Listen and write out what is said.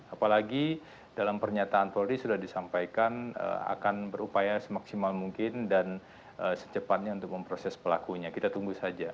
apalagi dalam pernyataan polri sudah disampaikan akan berupaya semaksimal mungkin dan secepatnya untuk memproses pelakunya kita tunggu saja